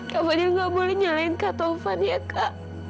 kak fadil nggak boleh nyalain kata taufan ya kak